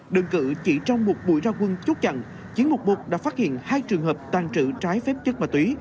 đơn cử chỉ trong một buổi ra quân chốt chặn chiến mục một đã phát hiện hai trường hợp tàn trữ trái phép chất ma túy